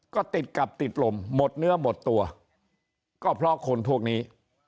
ก็ติดกับติดลมหมดเนื้อหมดตัวก็เพราะคนพวกนี้